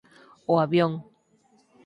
O avión.